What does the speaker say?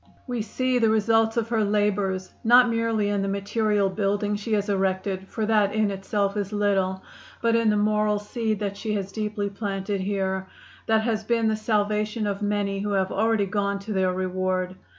We see the results of her labors, not merely in the material building she has erected, for that, in itself, is little, but in the moral seed that she has deeply planted here; that has been the salvation of many who have already gone to their reward.